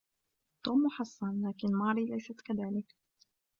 توم محصن ، لكن ماري ليست كذلك.